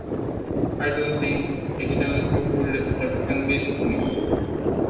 I don't think external proof would have convinced me.